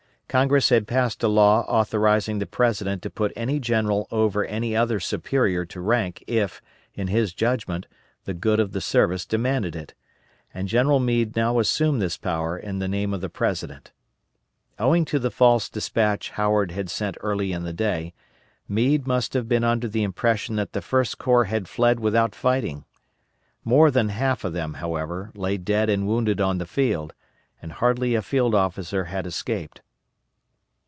Congress had passed a law authorizing the President to put any general over any other superior to rank if, in his judgment, the good of the service demanded it, and General Meade now assumed this power in the name of the President. Owing to the false despatch Howard had sent early in the day, Meade must have been under the impression that the First Corps had fled without fighting. More than half of them, however, lay dead and wounded on the field, and hardly a field officer had escaped.